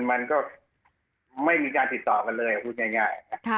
มันก็ไม่มีการติดต่อกันเลยพูดง่าย